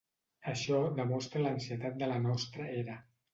Això demostra l'ansietat de la nostra era.